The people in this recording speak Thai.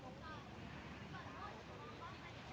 สวัสดีครับทุกคน